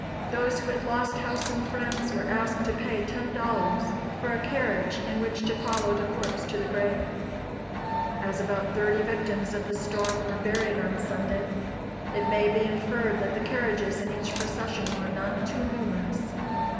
Those who had lost house and friends, were asked to pay ten dollars for a carriage in which to follow the corpse to the grave. As about thirty victims of the storm were buried on Sunday, it may be inferred that the carriages in each procession were none too numerous.